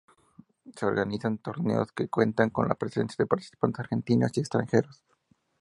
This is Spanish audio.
Se organizan torneos que cuentan con la presencia de participantes argentinos y extranjeros.